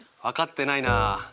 分かってないな。